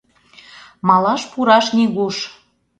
Малаш пураш нигуш...